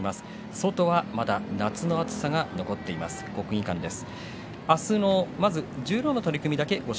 外はまだ夏の暑さが残っている国技館です。